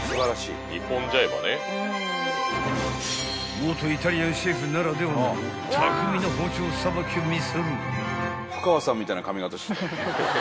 ［元イタリアンシェフならではの巧みな包丁さばきを見せる］